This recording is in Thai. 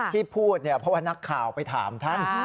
ที่พูดเนี่ยเพราะว่านักข่าวไปถามท่าน